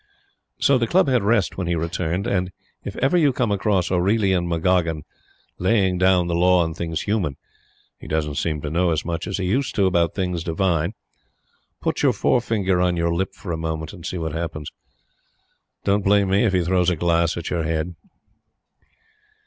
So the Club had rest when he returned; and if ever you come across Aurelian McGoggin laying down the law on things Human he doesn't seem to know as much as he used to about things Divine put your forefinger on your lip for a moment, and see what happens. Don't blame me if he throws a glass at your head!